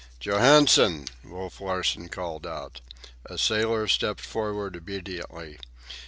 "Johansen!" Wolf Larsen called out. A sailor stepped forward obediently.